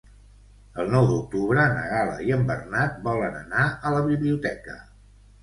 El nou d'octubre na Gal·la i en Bernat volen anar a la biblioteca.